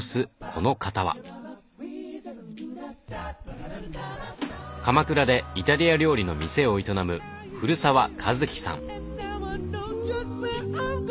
この方は鎌倉でイタリア料理の店を営む古澤一記さん。